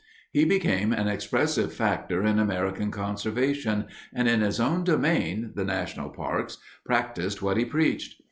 He became an expressive factor in American conservation and in his own domain, the national parks, practiced what he preached.